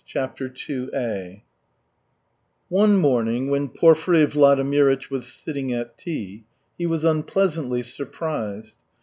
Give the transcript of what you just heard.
CHAPTER II One morning when Porfiry Vladimirych was sitting at tea, he was unpleasantly surprised.